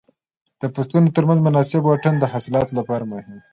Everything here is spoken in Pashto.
د فصلونو تر منځ مناسب واټن د حاصلاتو لپاره مهم دی.